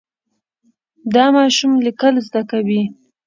دا ماشوم لیکل زده کوي.